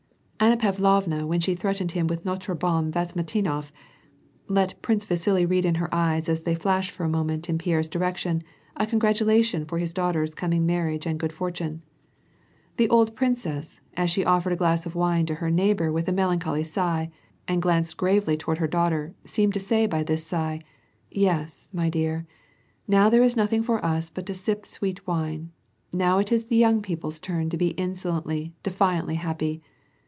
Anna Pavlovna when she threatened him with notre bon Viasmitinoff, let Prince Vasili read in her eyes as they flashed for a moment in Pierre's direction, a congratulation for his daughter's coming marriage and good fortune. The old princess, as she offered a glass of wine to her neigh bor with a melancholy sigh, and glanced gravely toward her daughter, seemed to say by this sigh :" Yes, my dear, now there is nothing left for us but to sip sweet wine ; now it is the young people's turn to be so insolently, defiantly happy.